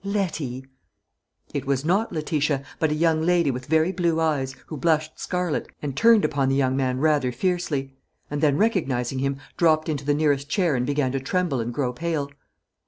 "Letty!" It was not Letitia, but a young lady with very blue eyes, who blushed scarlet, and turned upon the young man rather fiercely; and then recognising him, dropped into the nearest chair and began to tremble and grow pale.